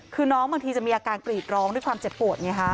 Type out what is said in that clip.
คือน้องบางทีจะมีอาการกรีดร้องด้วยความเจ็บปวดไงฮะ